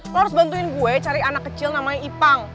lo harus bantuin gue cari anak kecil namanya ipang